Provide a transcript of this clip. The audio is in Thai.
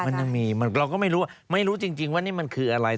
มันยังมีเราก็ไม่รู้ไม่รู้จริงว่านี่มันคืออะไร